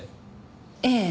ええ。